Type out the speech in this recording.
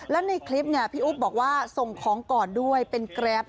และในคลิปพี่อุ๊บบอกว่าส่งก่อนด้วยเป็นแกรป